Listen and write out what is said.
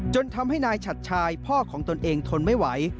ทำให้นายฉัดชายพ่อของตนเองทนไม่ไหว